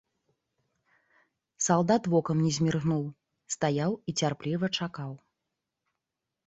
Салдат вокам не зміргнуў, стаяў і цярпліва чакаў.